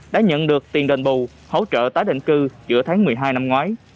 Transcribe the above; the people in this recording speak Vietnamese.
đã nhận được tiền đền bù hỗ trợ tái định cư giữa tháng một mươi hai năm ngoái